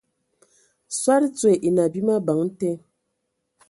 Soad dzoe e enə abim abəŋ te.